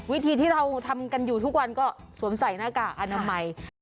วิธีที่เราทำกันอยู่ทุกวันก็สวมใส่หน้ากากอนามัย